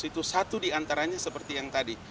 itu satu di antaranya seperti yang tadi